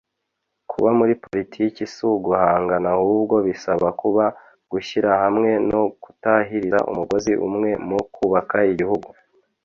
kuba muri politiki si uguhangana, ahubwo bisaba kuba gushyira hamwe no gutahiriza umugozi umwe mu kubaka igihugu.